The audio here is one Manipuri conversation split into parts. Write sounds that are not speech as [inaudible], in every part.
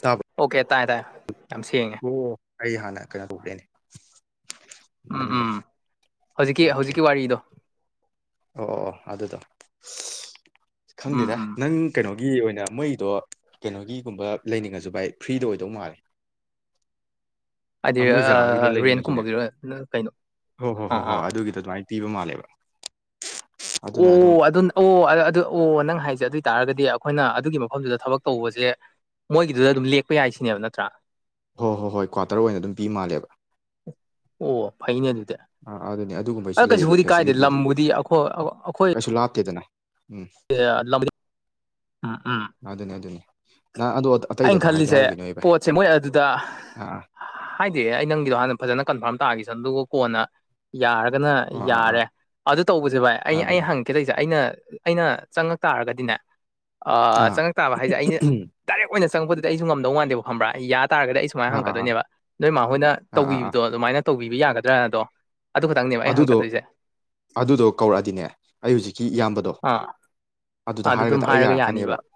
ꯇꯥꯕ꯭ꯔꯣ ꯑꯣꯀꯦ ꯇꯥꯏꯌꯦ ꯇꯥꯏꯌꯦ ꯌꯥꯝ ꯁ ꯌꯦꯡꯉꯦ ꯑꯣ ꯑꯩ ꯍꯥꯟꯅ ꯀꯩꯅꯣ [unintelligible] ꯎꯝ ꯎꯝ ꯑꯣꯀꯦ ꯍꯧꯖꯤꯛꯀꯤ ꯑꯣꯀꯦ ꯍꯧꯖꯤꯛꯀꯤ ꯋꯥꯔꯤꯗꯣ ꯑꯣ ꯑꯣ ꯑꯣ ꯑꯗꯨꯗꯣ ꯎꯝ ꯈꯪꯗꯦꯔ ꯎꯝ ꯅꯪ ꯀꯩꯅꯣꯒꯤ ꯑꯣꯏꯅ ꯃꯩꯗꯣ ꯀꯩꯅꯣꯒꯤꯒꯨꯝꯕ ꯂꯩꯅꯤꯡꯉꯁꯨ ꯚꯥꯏ ꯐ꯭ꯔꯤꯗ ꯑꯣꯏꯗꯧ ꯃꯥꯜꯂꯦ ꯍꯥꯏꯗꯤ [inaudible] ꯃꯣꯏ ꯖꯒꯥꯒꯤꯗ ꯂꯩꯅꯤꯡꯉꯁꯨꯅꯦ ꯔꯦꯟꯀꯨꯝꯕꯒꯤꯔꯣ ꯀꯩꯅꯣ ꯍꯣ ꯍꯣꯏ ꯑꯥ ꯍꯣꯏ ꯍꯣꯏ ꯑꯥ ꯑꯗꯨꯒꯤꯗ ꯑꯗꯨꯃꯥꯏꯅ ꯇ ꯄꯤꯕ ꯃꯥꯜꯂꯦꯕ ꯑꯣ ꯑꯗꯨ ꯑꯗꯨꯝ ꯑꯣ ꯑꯗꯨ ꯑꯣ ꯅꯪ ꯍꯥꯏꯁꯦ ꯑꯗꯨ ꯑꯣꯏꯏꯇꯥꯥꯔꯒꯗꯤ ꯑꯩꯈꯣꯏꯅ ꯑꯗꯨꯒꯤ ꯃꯐꯝꯗꯨꯗ ꯊꯕꯛ ꯇꯧꯕꯁꯦ ꯃꯣꯏꯒꯤꯗꯨꯗ ꯑꯗꯨꯝ ꯂꯦꯛꯄ ꯌꯥꯏꯁꯤꯅꯦꯕ ꯅꯠꯇ꯭ꯔꯥ ꯍꯣꯏ ꯍꯣꯏ ꯍꯣꯏ ꯀ꯭ꯋꯥꯇꯔ ꯑꯣꯏꯅ ꯑꯗꯨꯝ ꯄꯤ ꯃꯥꯜꯂꯦꯕ ꯑꯣ ꯐꯩꯅꯦ ꯑꯗꯨꯗꯤ ꯑꯥ ꯑꯗꯨꯅꯦ ꯑ ꯑꯗꯨꯒꯨꯝꯕꯩꯁꯨ ꯂꯩꯌꯦꯕ ꯀꯩꯁꯨꯕꯨꯗꯤ ꯀꯥꯏꯗꯦ ꯐꯦꯁꯤꯂꯤꯇꯤꯁꯦ ꯂꯝꯕꯨꯗꯤ ꯑꯩꯈꯣꯏ ꯀꯩꯁꯨ ꯂꯥꯞꯇꯦꯗꯅ ꯎꯝ ꯀꯩꯌꯥ ꯑꯗꯨꯅꯤ ꯎꯝ ꯎꯝ ꯑꯗꯨꯅꯤ ꯑꯗꯨꯅꯤ ꯅ ꯑꯗꯨ ꯑꯩꯅ ꯈꯜꯂꯤꯁꯦ ꯄꯣꯠꯁꯦ ꯃꯣꯏ ꯑꯗꯨꯗ ꯑꯥ ꯍꯥꯏꯗ‌ꯦꯌꯦ ꯑꯩ ꯅꯪꯒꯤꯗꯣ ꯍꯥꯟꯅ ꯐꯖꯅ ꯀꯟꯐꯥꯔꯝ ꯇꯥꯈꯤꯁꯅ‌ꯣ ꯑꯗꯨꯒ ꯀꯣꯟꯅ ꯌꯥꯔꯒꯅ ꯑꯥ ꯑꯣ ꯑꯥ ꯌꯥꯔꯦ ꯑꯗꯨ ꯇꯧꯕꯁꯦ ꯚꯥꯏ ꯑꯥ ꯑꯩ ꯑꯩ ꯑꯗꯨꯅꯦ ꯍꯪ ꯀ‌ꯦ ꯇꯧꯁ‌ꯦ ꯑꯩꯅ ꯑꯩꯅ ꯆꯪꯉꯛ ꯇꯥꯔꯒꯗꯤꯅꯦ ꯑꯥ ꯆꯪꯉꯛ ꯇꯥꯕ ꯍꯥꯏꯁꯦ ꯑꯩꯅ ꯗꯥꯏꯔꯦꯛ ꯑꯣꯏꯅ ꯆꯪꯉꯛꯄꯗꯨꯗꯤ ꯑꯩꯁꯨ ꯉꯝꯗꯧ ꯃꯥꯟꯗ‌ꯦꯕ ꯈꯪꯕꯔꯥ ꯌꯥ ꯇꯥꯔꯒꯗꯤ ꯑꯩꯁꯨ ꯁꯨꯃꯥꯏꯅ ꯑꯥ ꯑꯥ ꯑꯥ ꯍꯪꯉꯛꯀꯗꯣꯏꯅꯦꯕ ꯅꯣꯏ ꯃꯥ ꯍꯣꯏꯅ ꯑꯥ ꯑꯥ ꯑꯥ ꯇꯧꯕꯤꯕꯗꯣ ꯑꯗꯨꯃꯥꯏꯅ ꯇꯧꯕꯤꯕ ꯌꯥꯒꯗ꯭ꯔꯥꯅꯗꯣ ꯑꯗꯨ ꯈꯛꯇꯪꯅꯦꯕ ꯑꯩ ꯑꯗꯨꯗꯣ ꯍꯪꯉꯛꯀꯗꯣꯏꯁꯦ ꯑꯗꯨꯗꯣ ꯀꯧꯔꯛꯑꯗꯤꯅꯦ ꯑꯩ ꯍꯧꯖꯤꯛꯀꯤ ꯏꯌꯥꯝꯕꯗꯣ ꯑꯥ ꯑꯗꯨꯗ ꯑꯗꯨ ꯍꯥꯏꯔꯒ ꯑꯗꯨꯝ ꯗꯥꯏꯔ‌ꯦꯛ ꯌꯥꯅꯤꯕ ꯌꯥꯔꯛꯀꯅꯦꯕ ꯑ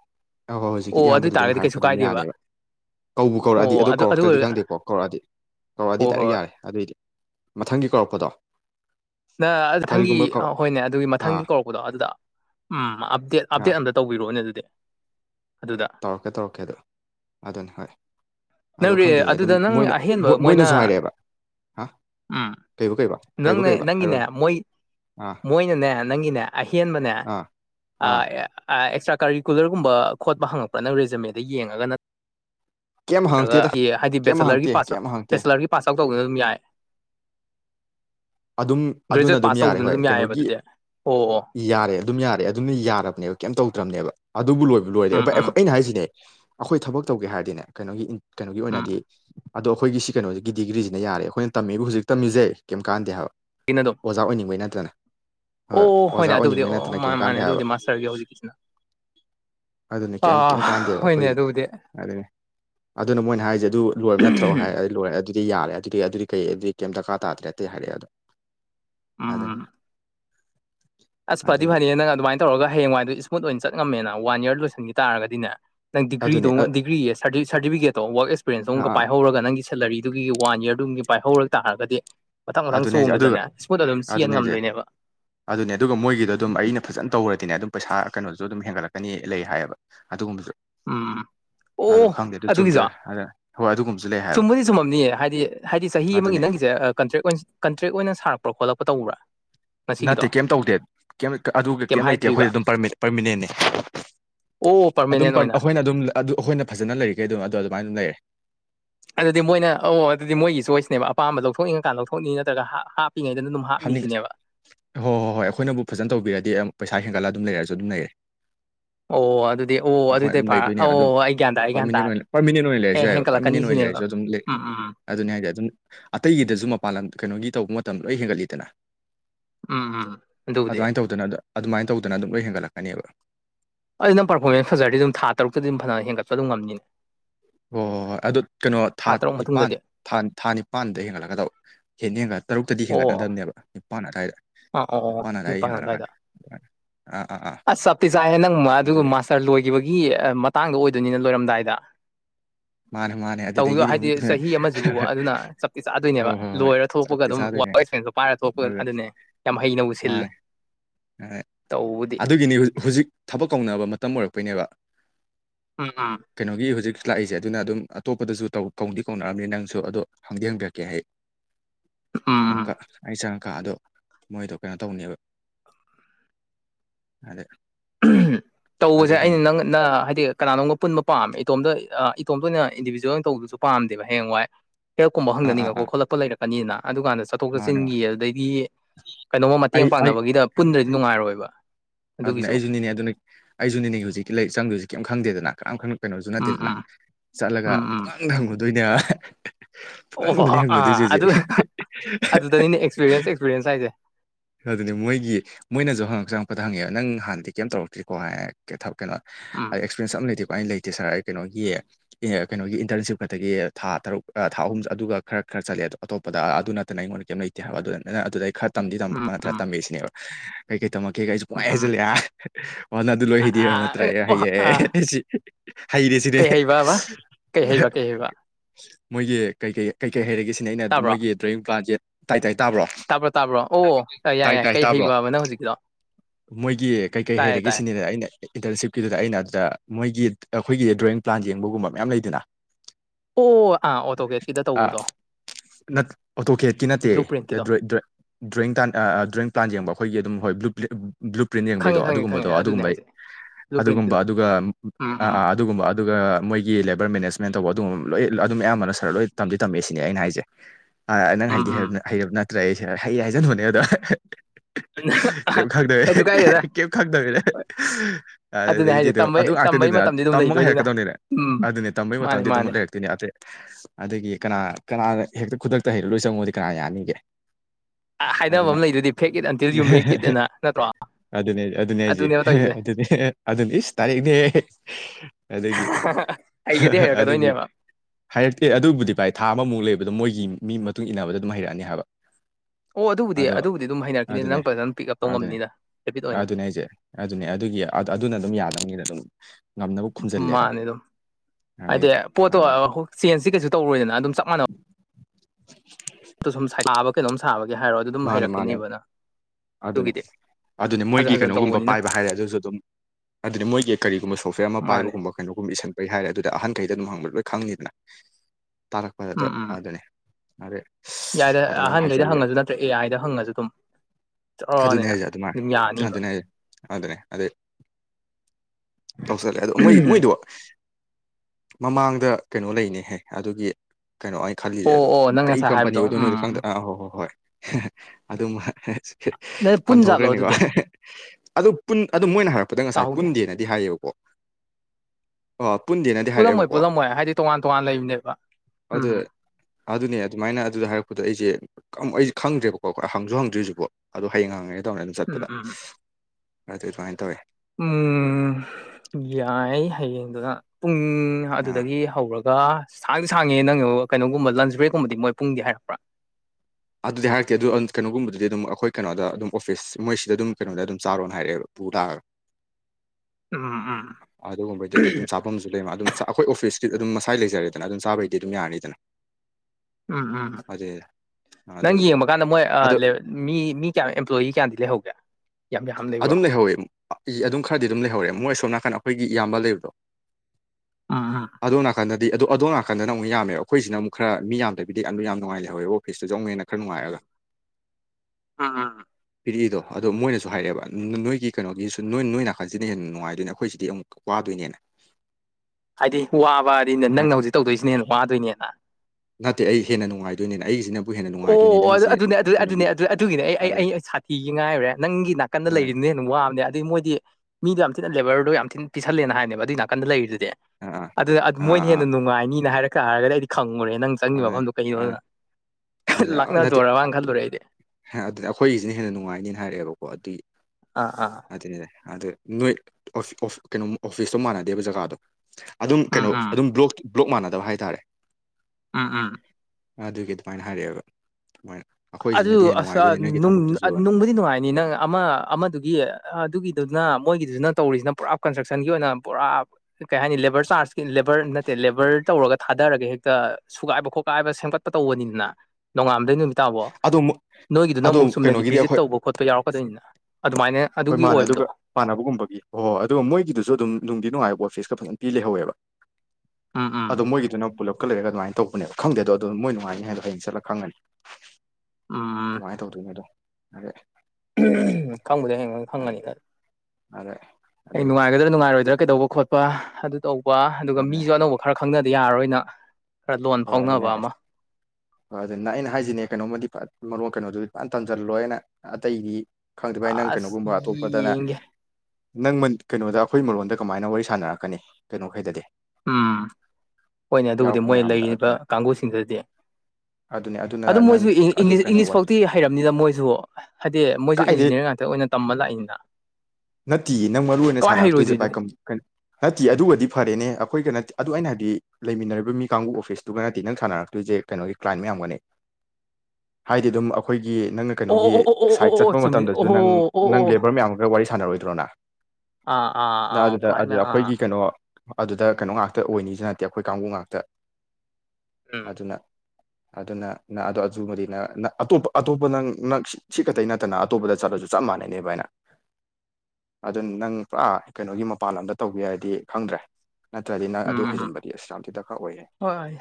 ꯍꯣꯏ ꯍꯣꯏ ꯑꯣ ꯍꯧꯖꯤꯛꯀꯤ ꯑꯗꯨ ꯏꯌꯥꯝꯕꯗ ꯑꯗꯨꯝ ꯑꯣꯏꯇꯥꯥꯔꯒꯗꯤ ꯀꯩꯁꯨ ꯍꯥꯏꯔꯛꯄꯗ ꯑꯗꯨꯝ ꯀꯥꯏꯗꯦꯕ ꯌꯥꯅꯦꯕ ꯀꯧꯕꯨ ꯑꯣ ꯀꯧꯔꯛꯑꯗꯤ ꯑꯗꯣ ꯑꯗꯨ ꯑꯗꯨ ꯀꯧꯔꯛꯇ꯭ꯔꯗꯤ ꯑꯣꯏꯔ ꯈꯪꯗꯦꯀꯣ ꯀꯧꯔꯛꯑꯗꯤ ꯀꯧꯔꯛꯑꯗꯤ ꯑꯣ ꯗꯥꯏꯔ‌ꯦꯛ ꯍꯣꯏ ꯌꯥꯔꯦ ꯑꯗꯨꯏꯗꯤ ꯃꯊꯪꯒꯤ ꯀꯧꯔꯛꯄꯗꯣ ꯅ ꯃꯊꯪꯒꯤ ꯀꯔꯤꯒꯨꯝꯕ ꯀꯧꯔꯛ ꯍꯣꯏꯅꯦ ꯑꯗꯨꯒꯤ ꯑꯥ ꯃꯊꯪꯒꯤ ꯀꯧꯔꯛꯄꯗꯣ ꯑꯗꯨꯗ ꯎꯝ ꯑꯞꯗꯦꯠ ꯑꯥ ꯑꯞꯗꯦꯠ ꯑꯃꯇ ꯇꯧꯕꯤꯔꯛꯑꯣꯅꯦ ꯑꯗꯨꯗꯤ ꯑꯗꯨꯗ ꯇꯧꯔꯛꯀꯦ ꯇꯧꯔꯛꯀꯦ‌‌ ꯑꯗꯨ ꯑꯗꯨꯅꯤ ꯍꯣꯏ ꯑꯗꯣ ꯅꯪ ꯔꯦ- ꯈꯪꯗꯦꯍ‌ꯦ ꯑꯗꯨꯝ ꯑꯗꯨꯗ ꯅꯪ ꯃꯣꯏꯅ ꯑꯍꯦꯟꯕ ꯃꯣꯏꯅ ꯃꯣꯏꯅꯁꯨ ꯍꯥꯏꯔꯛꯑꯦꯕ ꯍꯥ ꯎꯝ ꯀꯩꯕ ꯀꯩꯕ ꯀꯩꯕ ꯅꯪꯅ ꯀꯩꯕ ꯍꯥꯏꯔꯣꯅꯦ ꯅꯪꯒꯤꯅꯦ ꯃꯣꯏ ꯑꯥ ꯃꯣꯏꯅꯅꯦ ꯅꯪꯒꯤꯅꯦ ꯑꯍꯦꯟꯕꯅꯦ ꯑꯥ ꯑꯥ ꯑꯦꯛꯁꯇ꯭ꯔꯥ ꯀꯥꯔꯤꯀꯨꯂꯔꯒꯨꯝꯕ ꯈꯣꯠꯄ ꯍꯪꯉꯛꯄ꯭ꯔ ꯅꯪ ꯔꯦꯖꯨꯝꯃꯦꯗ ꯌꯦꯡꯉꯒ‌ ꯅꯠ ꯀꯩꯝ ꯅꯠꯇ꯭ꯔꯒ ꯍꯪꯉꯛꯇꯦꯗ ꯍꯥꯏꯗꯤ ꯀꯩꯝ ꯕꯦꯆꯂꯔꯒꯤ ꯍꯪꯉꯛꯇꯦ ꯄꯥꯁ ꯀꯩꯝ ꯍꯪꯉꯛꯇꯦ ꯕꯦꯆꯂꯔꯒꯤ ꯄꯥꯁ ꯑꯥꯎꯠ ꯇꯧꯕꯗꯨꯅ ꯑꯗꯨꯝ ꯌꯥꯏ ꯑꯗꯨꯝ ꯑꯗꯨꯅ ꯒ꯭ꯔꯦꯖꯨꯋꯦꯠ ꯑꯗꯨꯝ ꯄꯥꯁ ꯌꯥꯔꯦ ꯇꯧꯗꯨꯅ ꯍꯣꯏ ꯑꯗꯨꯝ ꯌꯥꯏꯑꯕ ꯀꯩꯅꯣꯒꯤ ꯑꯗꯨꯗꯤ ꯑꯣ ꯑꯣ ꯌꯥꯔꯦ ꯑꯗꯨꯝ ꯌꯥꯔꯦ ꯑꯗꯨꯅ ꯌꯥꯔꯕꯅꯦꯕ ꯀꯔꯤꯝ ꯇꯧꯗ꯭ꯔꯕꯅꯦꯕ ꯑꯗꯨꯕꯨ ꯂꯣꯏꯕꯨ ꯂꯣꯏꯔꯗꯤ ꯎꯝ ꯚꯥꯏ ꯎꯝ ꯑꯩꯈꯣꯏ ꯑꯩꯅ ꯍꯥꯏꯁꯤꯅꯦ ꯑꯩꯈꯣꯏ ꯊꯕꯛ ꯇꯧꯒꯦ ꯍꯥꯏꯔꯗꯤꯅꯦ ꯀꯩꯅꯣꯒꯤ ꯀꯩꯅꯣꯒꯤ ꯎꯝ ꯑꯣꯏꯅꯗꯤ ꯑꯗꯣ ꯑꯩꯈꯣꯏꯒꯤ ꯁꯤ ꯀꯩꯅꯣꯁꯤꯒꯤ ꯗꯤꯒ꯭ꯔꯤꯁꯤꯅ ꯌꯥꯔꯦ ꯑꯩꯈꯣꯏꯅ ꯇꯝꯃꯤꯕꯨ ꯍꯧꯖꯤꯛ ꯇꯝꯃꯤꯁꯦ ꯀꯩꯝ ꯀꯥꯟꯗꯦ ꯍꯥꯏꯕ ꯁꯤꯅꯗꯨꯝ ꯑꯣꯖꯥ ꯑꯣꯏꯅꯤꯡꯕꯩ ꯅꯠꯇꯔ ꯍꯣꯏ ꯑꯣꯖꯥ ꯍꯣꯏꯅꯦ ꯑꯗꯨꯕꯨꯗꯤ ꯑꯣꯏꯅꯤꯡꯕꯩ ꯑꯣ ꯅꯠꯇꯅ ꯃꯥ ꯀꯔꯤꯝ ꯃꯥꯅꯦ ꯀꯥꯟꯗꯦ ꯍꯥꯏꯕ ꯑꯗꯨꯕꯨꯗꯤ ꯃꯥꯁꯇꯔꯒꯤ ꯍꯧꯖꯤꯛꯀꯤꯁꯤꯅ ꯑꯗꯨꯅꯤ ꯀꯩꯝ ꯑꯥ ꯀꯩꯝ ꯀꯥꯟꯗꯦꯕ ꯍꯣꯏꯅꯦ ꯑꯩꯈꯣꯏ ꯑꯗꯨꯕꯨꯗꯤ ꯑꯗꯨꯅꯤ ꯑꯗꯨꯅ ꯃꯣꯏꯅ ꯍꯥꯏꯁꯦ ꯑꯗꯨ ꯂꯣꯏꯔꯕ ꯅꯠꯇ꯭ꯔꯣ ꯍꯥꯏ ꯂꯣꯏꯔꯦ ꯑꯗꯨꯗꯤ ꯌꯥꯔꯦ ꯑꯗꯨꯗꯤ ꯑꯗꯨꯗꯤ ꯀꯩ ꯑꯗꯨꯗꯤ ꯀꯩꯝ ꯗꯔꯀꯥꯔ ꯇꯥꯗ꯭ꯔꯦ ꯑꯇꯩ ꯍꯥꯏꯔꯛꯑꯦ ꯑꯗꯨꯅ‌ꯦ ꯎꯝ ꯑꯁ ꯐꯥꯗꯤ ꯐꯥꯅꯤꯍ‌ꯦ ꯅꯪ ꯑꯗꯨꯃꯥꯏꯅ ꯇꯧꯔꯒ ꯍꯌꯦꯡꯋꯥꯏꯗꯣ ꯏꯁꯃꯨꯠ ꯑꯣꯏꯅ ꯆꯠ ꯉꯝꯃꯦꯅ ꯋꯥꯟ ꯌꯥꯔ ꯂꯣꯏꯁꯤꯟꯒꯤ ꯇꯥꯔꯒꯗꯤꯅꯦ ꯅꯪ ꯑꯗꯨꯅꯦ ꯑ ꯗꯤꯒ꯭ꯔꯤꯗꯨꯃ ꯗꯤꯒ꯭ꯔꯤꯌꯦ ꯁꯥꯔꯇꯤ ꯁꯥꯔꯇꯤꯀꯦꯠꯇꯣ ꯋꯥꯛ ꯑꯦꯁꯔꯦꯟꯗ‌ꯣ ꯑꯥ ꯑꯃꯨꯛꯀ ꯑꯥ ꯄꯥꯏꯍꯧꯔꯒ ꯅꯪꯒꯤ ꯁꯦꯂꯔꯤꯗꯨꯒꯤ ꯋꯥꯟ ꯌꯥꯔꯗꯨꯝꯒꯤ ꯄꯥꯏꯍꯧꯔ ꯇꯥꯔꯒꯗꯤ ꯃꯊꯪ ꯃꯊꯪ ꯑꯗꯨꯅꯦ ꯍꯥꯏꯁꯦ ꯑꯗꯨꯒ ꯆꯣꯡꯈꯤꯕꯗꯅꯦ ꯏꯁꯃꯨꯠ ꯑꯗꯨꯝ ꯆꯦꯟ ꯑꯗꯨꯅꯦ ꯍꯥꯏꯁꯦ ꯉꯝꯗꯣꯏꯅꯦꯕ ꯑꯗꯨꯅꯦ ꯑꯗꯨꯒ ꯃꯣꯏꯒꯤꯗꯣ ꯑꯗꯨꯝ ꯑꯩꯅ ꯐꯖꯅ ꯇꯧꯔꯗꯤꯅꯦ ꯑꯗꯨꯝ ꯄꯩꯁꯥ ꯀꯩꯅꯣꯖꯨ ꯑꯗꯨꯝ ꯍꯦꯟꯒꯠꯂꯛꯀꯅꯤ ꯂꯩ ꯍꯥꯏꯑꯦꯕ ꯑꯗꯨꯒꯨꯝꯕꯁꯨ ꯎꯨꯝ ꯑꯗꯨ ꯑꯣ ꯈꯪꯗꯦ ꯑꯗꯨ ꯑꯗꯨꯒꯤꯖꯨ ꯆꯨꯝꯗꯣꯏꯔꯥ ꯑꯗ ꯍꯣꯏ ꯑꯗꯨꯒꯨꯝꯕꯁꯨ ꯂꯩ ꯍꯥꯏꯕ ꯆꯨꯝꯕꯨꯗꯤ ꯁꯨꯝꯃꯝꯅꯤꯌꯦ ꯍꯥꯏꯗꯤ ꯍꯥꯏꯗꯤ ꯆꯍꯤ ꯑꯃꯒꯤ ꯑꯗꯨꯅꯦ ꯅꯪꯒꯤꯁꯦ ꯑꯥ ꯀꯟꯇ꯭ꯔꯦꯛ ꯑꯣꯏ ꯀꯟꯇ꯭ꯔꯦꯛ ꯑꯣꯏꯅ ꯁꯥꯔꯛꯄꯥ ꯈꯣꯠꯂꯛꯄ ꯇꯧꯕ꯭ꯔꯥ ꯅꯠꯇꯦ ꯉꯁꯤꯒꯤꯗꯣ ꯀꯩꯝ ꯇꯧꯗꯦ ꯀꯩꯝ ꯑꯗꯨꯒ ꯀꯩꯝ ꯂꯩꯇꯦ ꯑꯩꯈꯣꯏꯗꯤ ꯑꯗꯨꯝ ꯄꯔꯃꯤ ꯄꯔꯃꯤꯅꯟꯅꯦ ꯑꯣ ꯄꯥꯔꯃꯦꯅꯦꯟꯠ ꯑꯣꯏꯅ ꯑꯩꯈꯣꯏꯅ ꯑꯗꯨꯝ ꯑꯗꯨ ꯑꯩꯈꯣꯏꯅ ꯐꯖꯥꯅ ꯂꯩꯔꯤꯒꯩ ꯑꯗꯨꯝ ꯑꯗ ꯑꯗꯨꯃꯥꯏꯅꯗꯨꯝ ꯂꯩꯔ‌ꯦ ꯑꯣ ꯑꯗꯨꯗꯤ ꯃꯣꯏꯅ ꯑꯧ ꯑꯗꯨꯗꯤ ꯃꯣꯏꯒꯤ ꯆꯣꯏꯁꯅꯦꯕ ꯑꯄꯥꯝꯕ ꯂꯧꯊꯣꯛꯅꯤꯡꯉꯀꯥꯟ ꯂꯧꯊꯣꯛꯅꯤ ꯅꯠꯇ꯭ꯔꯒ ꯍꯥ ꯍꯥꯞꯄꯤꯉꯩꯗꯅ ꯑꯗꯨꯝ ꯍꯥꯞꯅꯤ ꯍꯥꯝꯅꯤ ꯁꯤꯅꯦꯕ ꯍꯣꯏ ꯍꯣꯏ ꯍꯣꯏ ꯑꯩꯈꯣꯏꯅꯕꯨ ꯐꯖꯅ ꯇꯧꯕꯤꯔꯗꯤ ꯄꯩꯁꯥ ꯍꯦꯟꯒꯠꯂ ꯑꯗꯨꯝ ꯂꯩꯔꯁꯨ ꯑꯗꯨꯝ ꯂꯩꯔꯦ ꯑꯣ ꯑꯗꯨꯗꯤ ꯑꯣ ꯑꯩꯈꯣꯏ ꯑꯗꯨꯗꯤ ꯑꯗꯨꯝ ꯚꯔꯥ ꯂꯩꯗꯣꯏꯅꯦꯕ ꯑꯗꯨꯝ ꯑꯣ ꯑꯩ ꯒ꯭ꯌꯥꯟ ꯇꯥꯔꯦ ꯒ꯭ꯌꯥꯟ ꯄꯔꯃꯤꯅꯦꯟ ꯇꯥꯔꯦ ꯑꯣꯏꯅ ꯄꯔꯃꯤꯅꯦꯟ ꯑꯣꯏꯅ ꯂꯩꯔꯁꯨ ꯑꯦ ꯌꯥꯏꯑꯦꯕ ꯍꯦꯟꯀꯠꯂꯛꯀꯅꯤ ꯄꯔꯃꯤꯅꯦꯟ ꯑꯣꯏꯅ ꯁꯤꯅꯦꯕ ꯂꯩꯔꯖꯨ ꯑꯗꯨꯝ ꯂꯩ ꯎꯝ ꯎꯝ ꯑꯗꯨꯅꯤ ꯍꯥꯏꯗꯤ ꯑꯗꯨꯝ ꯑꯇꯩꯒꯤꯗꯁꯨ ꯃꯄꯥꯟ ꯂꯝ ꯀꯩꯅꯣꯒꯤ ꯇꯧꯕ ꯃꯇꯝ ꯂꯣꯏ ꯍꯦꯟꯒꯠꯂꯤꯗꯅ ꯎꯨꯝ ꯎꯨꯝ ꯑꯗꯨꯕꯨꯗꯤ ꯑꯗꯨꯅ ꯑꯗꯨꯃꯥꯏꯅ ꯇꯧꯗꯅ ꯑꯗꯨꯝ ꯂꯣꯏ ꯍꯦꯟꯒꯠꯂꯛꯀꯅꯦꯕ ꯑꯗꯨꯗꯤ ꯄꯔꯐꯣꯔꯃꯦꯟꯁ ꯐꯖꯔꯗꯤ ꯑꯗꯨꯝ ꯊꯥ ꯇꯔꯨꯛꯇꯗꯤꯗꯨꯝ ꯐꯅꯌꯥꯝ ꯍꯦꯟꯒꯠꯄ ꯑꯗꯨꯝ ꯉꯝꯅꯤꯅꯦ ꯍꯣꯏ ꯍꯣꯏ ꯍꯣꯏ ꯑꯗꯨ ꯀꯩꯅꯣ ꯊꯥ ꯇꯔꯨꯛ ꯅꯤꯄꯥꯟ ꯃꯇꯨꯡꯗꯗꯤ ꯊꯥ ꯊꯥ ꯅꯤꯄꯥꯟꯗꯩ ꯍꯦꯟꯒꯠꯂꯛꯀꯗꯧꯕ ꯍꯦꯟꯗꯤ ꯍꯦꯟꯒꯠ ꯇꯔꯨꯛꯇꯗꯤ ꯑꯣ ꯍꯦꯟꯒꯠꯅꯗꯕꯅꯦꯕ ꯅꯤꯄꯥꯟ ꯑꯗꯨꯋꯥꯏꯗ ꯑꯥ ꯑꯣ ꯑꯣ ꯅꯤꯄꯥꯥꯟ ꯑꯗꯨꯋꯥꯏꯗ ꯑꯗꯨꯃꯥꯏꯅ ꯑꯥ ꯑꯥ ꯑꯥ ꯑꯁ ꯆꯞꯇꯤ ꯆꯥꯏꯍꯦ ꯅꯪ ꯑꯗꯨꯒ ꯑꯗꯨꯒꯤ ꯃꯥꯁ ꯁꯥꯔ ꯂꯣꯏꯈꯤꯕꯒꯤ ꯑꯥ ꯃꯇꯥꯡꯗ ꯑꯣꯏꯗꯣꯏꯅꯤꯅ ꯂꯣꯏꯔꯝꯗꯥꯏꯗ ꯃꯥꯅꯦ ꯃꯥꯅꯦ ꯇꯧꯕꯗꯣ ꯑꯗꯨꯗꯒꯤꯗꯤ ꯍꯥꯏꯗꯤ ꯑꯃꯨꯛ ꯆꯍꯤ ꯑꯃꯖꯤꯕꯨ ꯑꯗꯨꯅ ꯆꯞꯇꯤ ꯍꯣꯏ ꯆꯥꯗꯣꯏꯅꯦꯕ ꯍꯣꯏ ꯍꯣꯏ ꯂꯣꯏꯔꯥ ꯊꯣꯛꯄꯒ ꯆꯞꯇꯤ ꯑꯗꯨꯝ ꯋꯥ ꯆꯥꯗꯣꯏꯅꯦ ꯄꯥꯏꯔ ꯊꯣꯛꯄꯗ ꯑꯗꯨꯗ ꯑꯗꯨꯅꯦ ꯌꯝ ꯍꯩꯅꯕꯨ ꯁꯤꯜꯂꯦ ꯑ ꯑ ꯇꯧꯕꯕꯨꯗꯤ ꯑꯗꯨꯒꯤꯅꯤ ꯍꯧꯖꯤꯛ ꯊꯕꯛ ꯀꯧꯅꯕ ꯃꯇꯝ ꯑꯣꯏꯔꯛꯄꯩꯅꯦꯕ ꯎꯝ ꯎꯝ ꯀꯩꯅꯣꯒꯤ ꯍꯧꯖꯤꯛ ꯂꯥꯛꯏꯁꯦ ꯑꯗꯨꯅ ꯑꯗꯨꯝ ꯑꯇꯣꯞꯄꯗꯁꯨ ꯇꯧ ꯀꯧꯗꯤ ꯀꯧꯅꯔꯝꯅꯤ ꯅꯪꯁꯨ ꯑꯗꯣ ꯍꯪꯗꯤ ꯍꯪꯕꯤꯔꯛꯀꯦ ꯑꯩ ꯎꯝ ꯎꯝ ꯑꯃꯨꯛꯀ ꯑꯩ ꯆꯪꯉꯛꯀ ꯑꯗꯣ ꯃꯣꯏꯗꯣ ꯀꯩꯅꯣ ꯇꯧꯅꯦꯕ ꯍꯔꯦ [inaudible] ꯇꯧꯕꯁꯦ ꯑꯩꯅ ꯅꯪꯒ ꯅꯥ ꯍꯥꯏꯗꯤ ꯀꯅꯥꯅꯣꯝꯒ ꯄꯨꯟꯕ ꯄꯥꯝꯃꯦ ꯏꯇꯣꯝꯇ ꯏꯇꯣꯝꯇ ꯑꯣꯏꯅ ꯏꯟꯗꯤꯕꯤꯖꯨꯜ ꯑꯣꯏꯅ ꯇꯧꯕꯗꯨꯖꯨ ꯄꯥꯝꯗꯦꯕ ꯍꯌꯦꯡꯋꯥꯏ ꯍꯦꯂꯞꯀꯨꯝꯕ ꯑꯥ ꯑꯥ ꯍꯪꯅꯅꯤꯡꯉꯛꯄ ꯑꯥ ꯈꯣꯠꯂꯛꯄ ꯂꯩꯔꯛꯀꯅꯤꯅ ꯑꯗꯨ ꯀꯟꯗ ꯆꯠ ꯆꯠꯊꯣꯛ ꯃꯥꯅꯦ ꯃꯥ ꯆꯠꯁꯤꯟꯒꯤ ꯑꯗꯨꯗꯩꯒꯤ ꯀꯩꯅꯣꯝꯃ ꯑꯩ ꯃꯇꯦꯡ ꯑꯩ ꯄꯥꯡꯅꯕꯒꯤꯗ ꯄꯨꯟꯗ꯭ꯔꯗꯤ ꯅꯨꯡꯉꯥꯏꯔꯣꯏꯕ ꯑꯗꯨꯅꯦ ꯑꯗꯨꯒꯤꯁꯨ ꯑꯩꯁꯨꯅꯤꯅꯦ ꯑꯗꯨꯅ ꯑꯩꯁꯨꯨꯅꯤꯅꯦ ꯍꯧꯖꯤꯛꯀꯤ ꯂꯩꯔꯤ ꯆꯪꯗꯣꯏ ꯍꯧꯖꯤꯛ ꯀꯔꯤꯝ ꯈꯪꯗꯦꯗꯅ ꯀꯅꯝ ꯀꯩꯅꯣꯁꯨ ꯎꯝ ꯅꯠꯇꯦꯗꯅ ꯎꯝ ꯆꯠꯂꯒ ꯎꯝ ꯎꯝ ꯄꯨꯡꯍꯪꯗ ꯍꯪꯉꯨꯗꯣꯏꯅꯦꯕ ꯑꯣ ꯍꯣ ꯄꯨꯡꯍꯪꯗꯅꯦ ꯍꯣ ꯍꯪꯎꯨꯗꯣꯏꯖꯦ ꯑꯥ ꯑꯗꯨ ꯍꯧꯖꯤꯛ ꯑꯗꯨꯗꯅꯤꯅꯦ ꯑꯦꯛꯁꯄꯤꯔꯤꯌꯦꯟꯁ ꯑꯦꯛꯁꯄꯤꯔꯤꯌꯦꯟꯁ ꯍꯥꯏꯁꯦ ꯑꯗꯨꯗꯅꯤ ꯃꯣꯏꯒꯤ ꯃꯣꯏꯅꯖꯨ ꯍꯪꯉꯛ ꯆꯪꯉꯛꯄꯗ ꯍꯪꯉꯛꯑꯦ ꯅꯪ ꯍꯥꯟꯅꯗꯤ ꯀꯩꯝ ꯇꯧꯔꯛꯇꯦꯀꯣ ꯍꯥꯏ ꯀꯩꯅꯣ ꯎꯝ ꯍꯥꯏꯗꯤ ꯑꯦꯛꯁꯄꯤꯔꯦꯟꯁ ꯑꯝ ꯂꯩꯇꯦ ꯂꯩꯇꯦ ꯁꯥꯔ ꯑꯩ ꯀꯩꯅꯣꯒꯤ ꯀꯩꯅꯣꯒꯤ ꯏꯟꯇꯔꯟꯁꯤꯞ ꯈꯛꯇꯒꯤ ꯊꯥ ꯇꯔꯨꯛ ꯊꯥ ꯑꯍꯨꯝ ꯑꯗꯨꯒ ꯈꯔ ꯈꯔ ꯆꯠꯂꯦ ꯑꯗꯣ ꯑꯇꯣꯞ ꯄꯗ ꯑꯗꯨ ꯅꯠꯇꯅ ꯑꯩꯉꯣꯟꯗ ꯀꯩꯝ ꯂꯩꯇꯦ ꯍꯥꯏꯕ ꯑꯗꯨ ꯑꯗꯨꯗꯩ ꯈꯥ ꯇꯝꯗꯤ ꯎꯝ ꯇꯝꯃꯛꯄ ꯅꯠꯇ꯭ꯔꯥ ꯎꯝ ꯇꯝꯃꯤꯁꯤꯅꯦꯕ ꯀꯩꯀꯩ ꯇꯝꯃꯛꯀꯦ ꯀꯩ ꯑꯩꯁꯨ ꯎꯝ ꯄꯨꯡꯉꯥꯏ ꯎꯝ ꯍꯩꯖꯤꯜꯂꯦꯍꯥ ꯍꯣ ꯑꯗꯨ ꯅꯪ ꯂꯣꯏ ꯍꯩꯗꯤ ꯍꯩꯔꯥꯕ ꯑꯥ ꯅꯠꯇ꯭ꯔꯥ ꯑꯣ ꯑꯥ ꯍꯩꯑꯦ ꯑꯁꯤ ꯍꯩꯔꯦ ꯁꯤꯅꯦ ꯀꯩ ꯍꯩꯕꯕ ꯀꯩ ꯍꯩꯕ ꯀꯩ ꯍꯩꯕ ꯃꯣꯏꯒꯤ ꯀꯩꯀꯩ ꯀꯩꯀꯩ ꯍꯩꯔꯒꯦꯁꯤꯅꯦ ꯑꯩꯅ ꯇꯥꯕ꯭ꯔꯣ ꯃꯣꯏꯒꯤ ꯗ꯭ꯔꯣꯌꯋꯤꯡ ꯄ꯭ꯂꯥꯟꯁꯦ ꯇꯥꯏ ꯇꯥꯏ ꯇꯥꯕ꯭ꯔꯣ ꯇꯥꯏ ꯇꯥꯏ ꯇꯥꯕ꯭ꯔꯣ ꯅ ꯍꯧꯖꯤꯛ꯭ꯔꯥ [inaudible] ꯃꯣꯏꯒꯤ ꯀꯩ ꯀꯩ ꯍꯩꯔꯒꯦ ꯁꯤꯅꯤ ꯑꯩꯅ ꯏꯟꯇꯔꯟꯁꯤꯞꯀꯤꯗꯨꯗ ꯑꯩꯅ ꯑꯗꯨꯗ ꯃꯣꯏꯒꯤ ꯑꯩꯈꯣꯏꯒꯤꯗꯤ ꯗ꯭ꯔꯣꯌꯋꯤꯡ ꯄ꯭ꯂꯥꯟ ꯌꯦꯡꯕꯒꯨꯝꯕ ꯃꯌꯥꯝ ꯂꯩꯗꯅ ꯑꯣ ꯑꯥ ꯑꯣꯇꯣꯀꯦꯠꯀꯤꯗ ꯇꯥ [inaudible] ꯑ ꯇꯧꯕꯗꯣ ꯅꯠ ꯑꯣꯇꯣꯀꯦꯞꯀꯤ ꯅꯠꯇꯦ ꯕ꯭ꯂꯨ ꯄ꯭ꯔꯤꯟꯠꯀꯤꯗꯣ ꯗꯔꯣꯏ ꯗꯔꯣꯏ ꯗ꯭ꯔꯋꯤꯡ ꯇ꯭ꯂꯥꯟ ꯗ꯭ꯔꯋꯤꯡ ꯄ꯭ꯂꯥꯟ ꯌꯦꯡꯕ ꯑꯩꯈꯣꯏꯒꯤ ꯑꯗꯨꯝ ꯕ꯭ꯂꯨ ꯕ꯭ꯂꯨ ꯕ꯭ꯂꯨ ꯄ꯭ꯔꯤꯟ ꯌꯦꯡꯕꯩꯗꯣ ꯈꯪꯉꯦ ꯈꯪꯉꯦ ꯈꯪꯉꯦ ꯑꯗꯨꯒꯨꯝꯕꯗꯣ ꯑꯗꯨꯅꯦ ꯑꯗꯨꯒꯨꯝꯕꯩ ꯍꯥꯏꯁꯦ ꯕ꯭ꯂꯨ ꯑꯗꯨꯒꯨꯝꯕ ꯄ꯭ꯔꯤꯟꯠꯀꯤꯗꯣ ꯑꯗꯨꯒ ꯎꯝ ꯑꯥ ꯎꯝ ꯑꯥ ꯑꯗꯨꯒꯨꯝꯕ ꯑꯗꯨꯒ ꯃꯣꯏꯒꯤ ꯂꯦꯕꯔ ꯃꯦꯅꯦꯖꯃꯦꯟ ꯇꯧꯕ ꯑꯗꯨꯒꯨꯝꯕ ꯂꯣꯏ ꯑꯗꯨꯝ ꯑꯌꯥꯝꯕꯅ ꯁꯥꯔ ꯂꯣꯏ ꯇꯝꯗꯤ ꯇꯝꯃꯦ ꯁꯤꯅꯦ ꯑꯩꯅ ꯍꯥꯏꯁꯦ ꯑ ꯅꯪ ꯎꯝ ꯍꯥꯏꯗꯤ ꯎꯝ ꯍꯩꯔꯕ ꯅꯠꯇ꯭ꯔ ꯑꯩꯁꯦ ꯍꯩ ꯍꯥꯏꯖꯟꯕꯅꯤ ꯑꯗꯨꯝ ꯅꯤꯍꯥꯞ ꯑꯍꯥ ꯑꯩꯖꯨ [inaudible] ꯑꯍꯥ ꯀꯩꯝ ꯈꯪꯗꯕꯤꯅꯦ ꯍ ꯑꯗꯨꯅꯦ ꯑꯗꯨꯗꯩꯗꯤ ꯍꯥꯏꯁꯦ ꯑꯗꯨꯝ ꯑꯗꯨ ꯇꯝꯕꯩ ꯇꯝꯕꯩ ꯉꯥꯛꯇꯣꯏꯅꯤꯗꯅ ꯃꯇꯝꯗꯤ ꯑꯗꯨꯝ ꯇꯝꯃꯒ ꯂꯩꯗꯣꯏꯅꯤꯅ ꯍꯩꯔꯛꯀꯗꯧꯅꯤꯗ ꯎꯝ ꯑꯗꯨꯅꯦ ꯇꯝꯕꯩ ꯃꯥꯅꯦ ꯃꯇꯝꯗꯤ ꯑꯗꯨꯝ ꯃꯥꯅꯦ ꯂꯩꯔꯛꯇꯣꯏꯅꯦ ꯑꯇꯩ ꯑꯗꯒꯤ ꯀꯅꯥ ꯀꯅꯥꯗ ꯍꯦꯛꯇ ꯈꯨꯗꯛꯇ ꯍꯦꯛꯛꯇ ꯂꯣꯏ ꯆꯪꯉꯣꯗꯤ ꯀꯅꯥ ꯌꯥꯅꯤꯒꯦ ꯑ ꯍꯥꯏꯅꯕ ꯑꯗꯨꯅ ꯑꯃ ꯂꯩꯗꯨꯗꯤ ꯐꯦꯛ ꯏꯠ ꯑꯟꯇꯤꯜ ꯌꯨꯝ ꯃꯦꯛ ꯏꯠ ꯑꯅ ꯅꯠꯇ꯭ꯔꯣ ꯑꯗꯨꯅꯦ ꯑꯗꯨꯅꯦ ꯍꯥꯏꯁꯦ ꯑꯗꯨꯅꯦꯕ ꯇꯧꯔꯤꯁꯦ ꯑꯗꯨꯅꯦ ꯑꯗꯨꯅꯤ ꯏꯁ ꯗꯣꯏꯔꯦꯛꯅꯤꯍꯦ ꯑꯗꯒꯤ ꯍ ꯍꯩꯒꯗꯤ ꯍ ꯑꯗꯒꯤ ꯍꯩꯔꯛꯀꯗꯣꯏꯅꯦꯕ ꯍꯩꯔꯛꯇꯦ ꯑꯗꯨꯕꯨꯗꯤ ꯚꯥꯏ ꯊꯥ ꯑꯃꯃꯨꯛ ꯂꯩꯕꯗꯣ ꯃꯣꯏꯒꯤ ꯃꯤ ꯃꯇꯨꯡ ꯏꯟꯅꯕꯗ ꯑꯗꯨꯝ ꯍꯩꯔꯛꯑꯅꯤ ꯍꯥꯏꯕ ꯑꯣ ꯑꯗꯨꯕꯨꯗꯤ ꯑꯗꯣ ꯑꯗꯨꯕꯨꯗꯤ ꯑꯗꯨꯝ ꯍꯩꯅꯔꯛꯈꯤꯅꯤ ꯑꯗꯨꯅꯦ ꯅꯪ ꯐꯖꯥꯅ ꯄꯤꯛꯑꯞ ꯑꯗꯨꯅꯦ ꯇꯧꯉꯝꯅꯤꯗ ꯑꯗꯨꯅꯦ ꯍꯥꯏꯁꯦ ꯑꯗꯨꯅꯦ ꯑꯗꯨꯒꯤ ꯑꯗꯨꯅ ꯑꯗꯨꯝ ꯌꯥꯗꯅꯤꯅ ꯑꯗꯨꯝ ꯉꯝꯅꯕ ꯈꯨꯝꯖꯤꯜꯂꯦꯗꯅ ꯍꯥꯗꯤ ꯑꯗꯒꯤ ꯄꯣꯠꯇꯣ ꯑꯗꯨꯅ ꯆꯦꯟꯁꯤ ꯀꯩꯁꯨ ꯇꯧꯔꯣꯏꯗꯅ ꯑꯗꯨꯝ ꯆꯞ ꯃꯥꯟꯅꯕ ꯑꯣ ꯁꯨꯝ ꯁꯥꯕ ꯀꯩꯅꯣꯝ ꯁꯥꯕꯒꯦ ꯍꯥꯏꯔꯛꯑꯣ ꯑꯗꯨꯝ ꯍꯥꯏꯔꯛꯀꯅꯤꯕꯅ ꯑꯗꯨꯅꯤ ꯑꯗꯨꯅꯤ ꯍꯟꯖꯟ ꯃꯣꯏꯒꯤ ꯍꯟꯖꯟ ꯀꯩꯅꯣꯒꯨꯝꯕ ꯇꯧꯕꯅꯤꯅ ꯄꯥꯏꯕ ꯍꯥꯏꯔꯦ ꯑꯗꯨꯖꯨ ꯑꯗꯨꯝ ꯑꯗꯨꯅꯤ ꯃꯣꯏꯒꯤ ꯀꯔꯤꯒꯨꯝꯕ ꯁꯣꯐꯋꯦꯔ ꯑꯃ ꯃꯥꯅꯦ ꯄꯥꯏꯕꯒꯨꯝꯕ ꯀꯩꯅꯣꯒꯨꯝꯕ ꯏꯁꯟꯕꯩ ꯍꯥꯏꯔꯦ ꯑꯗꯨꯗ ꯑꯍꯥꯟꯈꯩꯗ ꯑꯗꯨꯝ ꯍꯪꯕꯗ ꯂꯣꯏꯅ ꯈꯪꯅꯤꯗꯅ ꯇꯥꯔꯛꯄꯗ ꯎꯝ ꯎꯝ ꯑꯗꯨꯅꯤ ꯑꯗꯨꯗꯤ ꯌꯥꯏꯗ ꯑꯍꯟꯈꯩꯗ ꯍꯪꯉꯁꯨ ꯅꯠꯇ꯭ꯔ ꯑꯦ ꯑꯥꯏꯗ ꯍꯪꯉꯁꯨ ꯑꯗꯨꯝ ꯑꯗꯨꯅꯦ ꯆꯥꯎꯔꯅꯤꯅ ꯍꯥꯏꯁꯦ ꯑꯗꯨꯃꯥꯏꯅ ꯑꯗꯨꯝ ꯑꯗꯨ ꯌꯥꯅꯤꯕ ꯑꯗꯨꯅꯦ ꯍꯥꯏꯁꯦ ꯑꯗꯨꯅꯦ ꯑꯗꯩ ꯇꯧꯁꯜꯂꯦ ꯑꯗꯣ ꯃꯣꯏ ꯃꯣꯏꯗꯣ ꯃꯃꯥꯡꯗ ꯀꯩꯅꯣ ꯂꯩꯅꯦꯍꯦ ꯑꯗꯨꯒꯤ ꯀꯩꯅꯣ ꯑꯩꯅ ꯈꯜꯂꯤꯖꯦ ꯑꯣ ꯑꯗꯨ ꯑꯣ ꯅꯪ ꯀꯩ ꯉꯁꯥꯏ ꯀꯝꯄꯅꯤ ꯍꯥꯏꯕꯗꯣ ꯑꯣꯏꯗꯣꯏꯅꯣꯖꯦ ꯈꯪꯗ ꯎꯝ ꯑꯥ ꯑꯍꯣꯏ ꯍꯣꯏ ꯍꯣꯏ ꯑꯗꯨꯝ ꯅ ꯄꯨꯟꯖꯥꯠꯂꯣ ꯄꯟꯊꯣꯛꯈ꯭ꯔꯅꯤꯀꯣ ꯑꯗꯨꯗꯤ ꯑꯗꯣ ꯄꯨꯟ ꯑꯗꯣ ꯃꯣꯏꯅ ꯍꯥꯏꯔꯛꯄꯗ ꯉꯁꯥꯏ ꯇꯥꯍꯧꯗꯦ ꯄꯨꯟꯗꯦꯅꯗꯤ ꯍꯥꯏ ꯑꯕꯀꯣ ꯑꯣ ꯄꯨꯟꯗꯦꯅꯗꯤ ꯄꯨꯜꯂꯝꯃꯣꯏ ꯍꯥꯏꯔꯛꯑꯦꯕꯀꯣ ꯄꯨꯜꯂꯝꯃꯣꯏ ꯍꯥꯏꯗꯤ ꯇꯣꯉꯥꯟ ꯇꯣꯉꯥꯟ ꯂꯩꯕꯅꯦꯕ ꯎꯝ ꯑꯗꯨꯗ ꯑꯗꯨꯅꯦ ꯑꯗꯨꯃꯥꯏꯅ ꯑꯗꯨꯗ ꯍꯥꯏꯔꯛꯄꯗ ꯑꯩꯁꯦ ꯑ ꯑꯩꯁꯦ ꯈꯪꯗ꯭ꯔꯦꯕꯀꯣ ꯍꯪꯁꯨ ꯍꯪꯗ꯭ꯔꯤ ꯍꯧꯖꯤꯛꯐꯥꯎ ꯑꯗꯨ ꯍꯌꯦꯡ ꯍꯪꯉꯒꯦ ꯇꯧꯅꯤ ꯑꯗꯨꯝ ꯎꯝ ꯆꯠꯄꯗ ꯎꯝ ꯅꯠꯇꯔꯗꯤ ꯑꯗꯨꯃꯥꯏꯅ ꯇꯧꯢ ꯎꯝ ꯌꯥꯏ ꯍꯌꯦꯡꯗꯨꯅ ꯄꯨꯡ ꯑꯥ ꯑꯗꯨꯗꯒꯤ ꯍꯧꯔꯒ ꯁꯥꯡꯗꯤ ꯁꯥꯡꯉꯦ ꯅꯪ ꯀꯩꯅꯣꯒꯨꯝꯕ ꯂꯟꯁ ꯕ꯭ꯔꯦꯛꯀꯨꯝꯕꯗꯤ ꯃꯣꯏ ꯄꯨꯡꯗꯤ ꯍꯥꯏꯔꯛꯄ꯭ꯔꯥ ꯑꯗꯨꯗꯤ ꯍꯥꯏꯔꯛꯇꯦ ꯑꯗꯨ ꯀꯩꯅꯣꯒꯨꯝꯕꯗꯨꯗꯤ ꯑꯗꯨꯝ ꯑꯩꯈꯣꯏ ꯀꯩꯅꯣꯗ ꯑꯗꯨꯝ ꯑꯣꯐꯤꯁ ꯃꯣꯏꯁꯤꯗ ꯑꯗꯨꯝ ꯀꯩꯅꯣꯗ ꯑꯗꯨꯝ ꯆꯥꯔꯣꯅ ꯍꯥꯏꯔꯛꯑꯦꯕ ꯄꯨ ꯂꯥꯑꯒ ꯎꯝ ꯎꯝ ꯑꯗꯨꯒꯨꯝꯕꯩꯗꯨꯗ ꯑꯗꯨꯝ ꯆꯥꯐꯝꯁꯨ ꯂꯩꯃ ꯑꯗꯨꯝ ꯑꯥ ꯑꯩꯈꯣꯏ ꯑꯣꯐꯤꯁꯀꯤ ꯑꯗꯨꯝ ꯃꯁꯥꯏ ꯂꯩꯖꯔꯦꯗꯅ ꯑꯗꯨꯝ ꯆꯥꯕꯩꯗꯤ ꯑꯗꯨꯝ ꯌꯥꯔꯅꯤꯗꯅ ꯎꯝ ꯎꯝ ꯑꯗꯨꯗ ꯅꯪ ꯑꯗꯨꯕꯨꯗꯤ ꯌꯦꯡꯕ ꯀꯥꯟꯗ ꯃꯣꯏ ꯑꯗꯣ ꯃꯤ ꯃꯤ ꯀꯌꯥꯝ ꯏꯝꯄ꯭ꯂꯣꯌꯤ ꯀꯌꯥꯝꯗꯤ ꯂꯩꯍꯧꯒꯦ ꯌꯥꯝ ꯌꯥꯝ ꯂꯩꯕ꯭ꯔꯣ ꯑꯗꯨꯝ ꯂꯩꯍꯧꯔꯦ ꯑꯗꯨꯝ ꯈꯔꯗꯤ ꯑꯗꯨꯝ ꯂꯩꯍꯧꯔꯦ ꯃꯣꯏ ꯑꯁꯣꯝ ꯅꯥꯀꯟꯗ ꯑꯩꯈꯣꯏꯒꯤ ꯏꯌꯥꯝꯕ ꯂꯩꯕꯗꯣ ꯎꯨꯝ ꯎꯨꯝ ꯑꯗꯣ ꯅꯥꯀꯟꯗꯗꯤ ꯑꯗꯣ ꯑꯗꯣ ꯅꯥꯀꯟꯗꯅ ꯑꯃꯨꯛ ꯌꯥꯝꯃꯦ ꯑꯩꯈꯣꯏꯁꯤꯅ ꯑꯃꯨꯛ ꯈꯔ ꯃꯤ ꯌꯥꯝꯗꯕꯤꯗ ꯑꯗꯨꯝ ꯌꯥꯝ ꯅꯨꯡꯉꯥꯏꯅ ꯂꯩꯍꯧꯢꯕꯣ ꯐꯤꯁꯇꯨ ꯆꯥꯎꯉꯦꯅ ꯈꯔ ꯅꯨꯡꯉꯥꯏꯔꯒ ꯎꯨꯝ ꯎꯨꯝ ꯄꯤꯔꯤꯛꯢꯗꯣ ꯑꯗꯣ ꯃꯣꯏꯅꯁꯨ ꯍꯥꯏꯔꯛꯢꯕ ꯅꯣꯏꯒꯤ ꯀꯩꯅꯣꯒꯤꯁꯨ ꯅꯣꯏ ꯅꯣꯏ ꯅꯥꯀꯟꯁꯤꯅ ꯍꯦꯟꯅ ꯅꯨꯡꯉꯥꯏꯗꯣꯏꯅꯦ ꯑꯩꯈꯣꯏꯁꯤꯗꯤ ꯑꯃꯨꯛ ꯋꯥꯗꯣꯏꯅꯦꯅ ꯍꯥꯏꯗꯤ ꯋꯥꯕ ꯍꯥꯏꯗꯤ ꯍꯥꯏ ꯅꯪꯅ ꯍꯧꯖꯤꯛ ꯇꯧꯗꯣꯏꯁꯤꯅꯦꯅ ꯋꯥꯗꯣꯏꯅꯦꯅ ꯅꯠꯇꯦ ꯑꯩ ꯍꯦꯟꯅ ꯅꯨꯡꯉꯥꯏꯗꯣꯏꯅꯤꯅꯦ ꯑꯩꯒꯤꯁꯤꯅ ꯑꯣ ꯑꯣ ꯑꯣ ꯑꯗꯨ ꯑꯗꯨꯅꯦ ꯑꯗꯨ ꯑꯗꯨꯅꯦ ꯑꯗꯨ ꯑꯗꯨꯒꯤꯅꯦ ꯑꯩ ꯑꯩ ꯑꯗꯩ ꯑꯩ ꯁꯥꯊꯤꯒꯤ ꯉꯥꯏꯔꯨꯔꯦ ꯅꯪꯒꯤ ꯅꯥꯀꯟꯗ ꯑ ꯂꯩꯔꯤꯅꯤꯅꯦ ꯑꯗꯨꯝ ꯋꯥꯕ ꯑꯗꯒꯤ ꯃꯣꯏꯗꯤ ꯃꯤꯣ ꯌꯥꯝ ꯊꯤꯅ ꯂꯦꯕꯔꯗꯣ ꯌꯥꯝ ꯊꯤꯅ ꯄꯤꯁꯜꯂꯦꯅ ꯍꯥꯏꯅꯦꯕ ꯑꯗꯨꯒꯤ ꯅꯥꯀꯟꯗ ꯂꯩꯔꯤ ꯑꯥ ꯑꯥ ꯑꯗꯨ ꯑꯥ ꯃꯣꯏꯅ ꯑꯥ ꯍꯦꯟꯅ ꯅꯨꯡꯉꯥꯏꯅꯤꯅ ꯍꯥꯏꯔꯛꯀ ꯍꯥꯏꯔꯒꯗꯤ ꯑꯩꯗꯤ ꯈꯪꯉꯨꯔꯦ ꯅꯪ ꯑꯥ ꯆꯪꯉꯤꯕ ꯑꯗꯩ ꯃꯐꯝꯗꯨꯣ ꯑ ꯀꯩꯅꯣꯅ ꯑꯗ ꯑ ꯅꯠꯇꯦ ꯑ ꯂꯥꯛꯅꯖꯣꯔꯔꯕꯅ ꯈꯜꯂꯨꯔꯦ ꯑꯩꯗꯤ ꯑꯗꯨꯗꯤ ꯑꯩꯈꯣꯏꯒꯤꯁꯤꯅ ꯍꯦꯟꯅ ꯅꯨꯡꯉꯥꯏꯅꯤꯅ ꯍꯥꯏꯔꯛꯑꯦꯕꯀꯣ ꯑꯗꯨꯒꯤ ꯑꯥ ꯑꯥ ꯑꯗꯨꯅꯤꯅꯦ ꯑꯗꯨꯗ ꯅꯣꯏ ꯀꯩꯅꯣꯝ ꯑꯣꯐꯤꯁꯇꯣ ꯃꯥꯟꯅꯗꯦꯕ ꯖꯒꯥꯗꯣ ꯑꯗꯨꯝ ꯎꯝ ꯀꯩꯅꯣ ꯎꯝ ꯑꯗꯨꯝ ꯕ꯭ꯂꯣꯛ ꯕ꯭ꯂꯣꯛ ꯃꯥꯟꯅꯗꯕ ꯍꯥꯏꯇꯥꯔꯦ ꯎꯝ ꯎꯝ ꯑꯗꯨꯒꯤ ꯑꯗꯨꯃꯥꯏꯅ ꯍꯥꯏꯔꯛꯑꯦꯕ ꯑꯗꯨꯃꯥꯏꯅ ꯑꯩꯈꯣꯏꯁꯤꯅꯗꯤ ꯑꯗꯨ ꯍꯦꯟꯅ ꯑꯁ ꯅꯨꯡꯉꯥꯏꯗꯣꯏꯅꯦ ꯅꯪꯒꯤ ꯊꯕꯛꯇꯨꯁꯨꯅ ꯅꯨꯡꯕꯨꯗꯤ ꯅꯨꯡꯉꯥꯏꯅꯤ ꯅꯪ ꯑꯃ ꯑꯃꯗꯨꯒꯤ ꯑꯗꯨꯒꯤꯗꯨꯅ ꯃꯣꯏꯒꯤꯗꯨꯗꯨꯅ ꯇꯧꯔꯤꯁꯤꯅ ꯄꯨꯔꯥ ꯀꯟꯁꯇ꯭ꯔꯛꯁꯟꯒꯤ ꯑꯣꯏꯅ ꯄꯨꯔꯥ ꯀꯩ ꯍꯥꯏꯅꯤ ꯂꯦꯕꯔ ꯆꯥꯔꯖꯀꯤ ꯂꯦꯕꯔ ꯅꯠꯇꯦ ꯂꯦꯕꯔ ꯇꯧꯔꯒ ꯊꯥꯗꯔꯒ ꯍꯦꯛꯇ ꯁꯨꯒꯥꯏꯕ ꯈꯣꯠꯀꯥꯏꯕ ꯁꯦꯝꯒꯠꯄ ꯇꯧꯕꯅꯤꯅ ꯅꯣꯡꯉꯥꯝꯗꯩ ꯅꯨꯃꯤꯗꯥꯡ ꯑꯗꯨꯃꯨ ꯅꯣꯏꯒꯤꯗꯨꯅ ꯑꯃꯨꯛ ꯆꯨꯝꯅꯒꯤ ꯚꯤꯖꯤꯠ ꯇꯧꯕ ꯈꯣꯠꯄ ꯌꯥꯎꯔꯛꯀꯗꯣꯏꯅꯤꯅ ꯑꯗꯨꯃꯥꯏꯅ ꯍꯣꯏ ꯑꯗꯨꯒꯤ ꯃꯥꯅꯦ ꯑꯣꯏꯕꯗꯣ ꯑꯗꯨꯒ ꯏꯃꯥꯟꯅꯕꯒꯨꯝꯕꯒꯤ ꯍꯣꯍꯣꯏ ꯑꯗꯨꯒ ꯃꯣꯏꯒꯤꯗꯨꯁꯨ ꯗꯨꯝ ꯅꯨꯡꯗꯤ ꯅꯨꯡꯉꯥꯏꯕ ꯑꯣꯐꯤꯁꯀ ꯐꯖꯅ ꯄꯤ ꯂꯩꯍꯧꯋꯦꯕ ꯎꯝ ꯎꯝ ꯑꯗꯣ ꯃꯣꯏꯒꯤꯗꯨꯅ ꯄꯨꯂꯞ ꯀ ꯂꯩꯔꯒ ꯑꯗꯨꯃꯥꯏꯅ ꯇꯧꯕꯅꯦꯕ ꯈꯪꯗꯦꯗꯣ ꯃꯣꯏ ꯅꯨꯡꯉꯥꯏꯅꯤ ꯍꯥꯏꯕꯗꯣ ꯍꯌꯦꯡ ꯆꯠꯂ ꯈꯪꯒꯅꯤ ꯎꯝ ꯀꯃꯥꯏꯅ ꯇꯧ ꯇꯧꯕꯗ‌ꯣ [unintelligible] ꯈꯪꯕꯨꯗꯤ ꯍꯌꯦꯡ ꯈꯪꯉꯅꯤꯗ ꯑꯗ ꯍ ꯑꯗꯨꯒꯤ ꯅꯨꯡꯉꯥꯏꯒꯗ꯭ꯔꯥ ꯅꯨꯡꯉꯥꯏꯔꯣꯏꯗ꯭ꯔꯥ ꯀꯩꯗꯧꯕ ꯈꯣꯠꯄ ꯄ ꯑꯗꯨ ꯇꯧꯕ ꯑꯗꯨꯒ ꯑꯗꯨꯅꯦ ꯃꯤꯖꯨ ꯑꯅꯧꯕ ꯈꯔ ꯈꯪꯅꯗ ꯌꯥꯔꯔꯣꯏ ꯅꯪ ꯍꯣꯏ ꯑꯗꯨꯅꯦ ꯑꯁ ꯍꯣꯏ ꯑꯗꯨ ꯅ ꯑꯩꯅ ꯍꯥꯏꯁꯤꯅꯦ ꯀꯩꯅꯣꯝꯃꯗꯤ ꯐ ꯃꯔꯣꯟ ꯀꯩꯅꯣꯗꯨꯗꯤ ꯐꯅ ꯇꯝꯖꯜꯂꯣ ꯑꯩꯅ ꯑꯇꯩꯗꯤ ꯈꯪꯗꯦ ꯚꯥꯏ ꯅꯪ ꯑꯁ ꯀꯩꯅꯣꯒꯨꯝꯕ ꯑꯇꯣꯞꯄꯗꯅ‌ꯦ ꯌꯦꯡꯒꯦ ꯅꯪ ꯃ ꯀꯩꯅꯣꯗ ꯑꯩꯈꯣꯏ ꯃꯔꯣꯟꯗ ꯀꯃꯥꯏꯅ ꯋꯥꯔꯤ ꯁꯥꯟꯅꯔꯛꯀꯅꯤ ꯀꯩꯅꯣꯈꯩꯗꯗꯤ ꯎꯝ ꯍꯣꯏꯅꯦ ꯑꯗꯨꯕꯨꯗꯤ ꯌꯥꯎꯔꯛꯄ ꯃꯣꯏ ꯃꯌꯥꯝꯗ ꯂꯩꯔꯤꯕ ꯑꯗꯨꯅ ꯀꯥꯡꯕꯨꯁꯤꯡꯗꯗꯤ ꯑꯗꯨꯅꯦ ꯑꯗꯨꯟ ꯑꯗꯨ ꯃꯣꯏꯁꯨ ꯏꯪ ꯏꯪꯏꯪꯂꯤꯁ ꯐꯥꯎꯇꯤ ꯍꯩꯔꯝꯅꯤꯗ ꯃꯣꯏꯁꯨ ꯍꯥꯏꯗꯤ ꯃꯣꯏꯁꯨ ꯀꯥꯏꯗꯩ ꯏꯟꯖꯤꯅꯤꯌꯥꯔ ꯉꯥꯛꯇ ꯑꯣꯏꯅ ꯇꯝꯕ ꯂꯥꯛꯏꯗꯅ ꯅꯠꯇꯤꯌ‌ꯦ ꯅꯪ ꯃꯔꯨ ꯑꯣꯏꯅ ꯁꯥꯟꯅꯔꯛꯇꯣꯏꯁꯦ ꯕꯥꯏ ꯀꯝ ꯅꯠꯇꯤꯌ‌ꯦ ꯑꯗꯨꯒꯗꯤ ꯐꯔꯦꯅꯦ ꯑꯩꯈꯣꯏꯒ ꯅꯠꯇꯦ ꯑꯗꯨ ꯑꯩꯅ ꯍꯥꯏꯗꯤ ꯂꯩꯃꯤꯟꯅꯔꯤꯕ ꯃꯤ ꯀꯥꯡꯕꯨ ꯑꯣꯐꯤꯁꯇꯨꯒ ꯅꯠꯇꯦ ꯅꯪ ꯁꯥꯟꯅꯔꯛꯇꯣꯏꯖ‌ꯦ ꯀꯩꯅꯣꯒꯤ ꯀ꯭ꯂꯥꯏꯟ ꯃꯌꯥꯝꯒꯅꯦ ꯍꯥꯏꯗꯤ ꯑꯗꯨꯝ ꯑꯩꯈꯣꯏꯒꯤ ꯅꯪꯅ ꯑꯣ ꯀꯩꯅꯣꯒꯤ ꯑꯣ ꯑꯣ ꯑꯣ ꯁꯥꯏꯠ ꯑꯣ ꯑꯣ ꯆꯠꯄ ꯆꯨꯝꯃꯤ ꯃꯇꯝꯗꯁꯨ ꯅꯪ ꯑꯣꯍꯣ ꯑꯣ ꯅꯪ ꯑꯣ ꯂꯦꯕꯔ ꯃꯌꯥꯝ ꯒ ꯋꯥꯔꯤ ꯁꯥꯟꯅꯔꯣꯏꯗ꯭ꯔꯣ ꯅ ꯑꯥ ꯑꯥ ꯅꯪ ꯑꯥ ꯑꯗꯨꯗ ꯀꯃꯥꯏꯅ ꯑꯗꯨꯗ ꯑꯥ ꯑꯩꯈꯣꯏꯒꯤ ꯀꯩꯅꯣ ꯑꯗꯨꯗ ꯀꯩꯅꯣ ꯉꯥꯛꯇ ꯑꯣꯏꯅꯤꯖꯨ ꯅꯠꯇꯦ ꯑꯩꯈꯣꯏ ꯀꯥꯡꯕꯨ ꯉꯥꯛꯇ ꯎꯝ ꯑꯗꯨꯅ ꯑꯗꯨꯅ ꯅ ꯑꯗꯣ ꯑꯗꯨꯃꯗꯤ ꯅ ꯅ ꯑꯇꯣꯞꯄ ꯑꯇꯣꯞꯄ ꯅꯪ ꯅꯪ ꯁꯤ ꯈꯇꯩ ꯅꯠꯇꯅ ꯑꯇꯣꯞꯄꯗ ꯆꯠꯂꯁꯨ ꯆꯞ ꯃꯥꯟꯅꯩꯅꯦ ꯚꯥꯏ ꯅ ꯑꯗꯨ ꯅꯪ ꯄꯨꯔꯥ ꯀꯩꯅꯣꯒꯤ ꯃꯄꯥꯟ ꯂꯝꯗ ꯇꯧꯒꯦ ꯍꯥꯏꯗꯤ ꯈꯪꯗ꯭ꯔꯦ ꯅꯠꯇ꯭ꯔꯗꯤ ꯅꯪ ꯑꯗꯨ ꯎꯝ‌ ꯍꯩꯖꯤꯟꯕꯗꯤ ꯑꯁ ꯌꯥꯝ ꯊꯤ ꯗꯔꯀꯥꯔ ꯑꯣꯏꯌꯦ ꯍꯣꯏ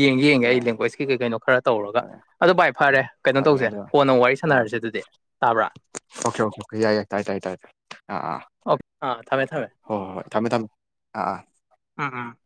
ꯌꯦꯡꯒꯦ ꯌꯦꯡꯒꯦ ꯑꯩ ꯑꯗꯨꯅꯅꯦ ꯂꯦꯡꯒ꯭ꯋꯦꯖꯀꯤ ꯀꯩ ꯀꯩꯅꯣ ꯈꯔ ꯇꯧꯔꯒ ꯑꯗ‌ꯣ ꯚꯥꯏ ꯐꯔꯦ ꯀꯩꯅꯣ ꯑꯗꯨꯅ ꯇꯧꯁꯦ ꯑꯗꯨꯅ ꯀꯣꯟꯅ ꯋꯥꯔꯤ ꯑꯥ ꯁꯥꯟꯅꯔꯁꯦ ꯑꯗꯨꯗꯤ ꯇꯥꯕ꯭ꯔꯥ ꯑꯣꯀꯦ ꯑꯣꯀꯦ ꯑꯣ ꯌꯥꯏ ꯌꯥꯏ ꯇꯥꯏ ꯇꯥꯏꯌꯦ ꯇꯥꯏ ꯑ ꯑꯥ ꯑꯣꯀꯦ ꯑꯥ ꯊꯝꯃꯦ ꯊꯝꯃꯦ ꯍꯣꯏ ꯍ‌ꯣ ꯍꯣꯏ ꯊꯝꯃꯦ ꯊꯝꯃꯦ ꯑꯥ ꯑꯥ ꯎ ꯎꯝ